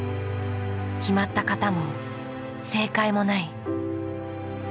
決まった型も正解もない。